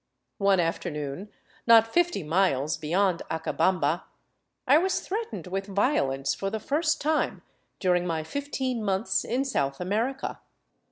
One afternoon, not fifty miles beyond Acabamba, I was threatened with violence for the first time during my fifteen months in South America.